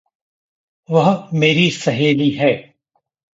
वह मेरी सहेली है।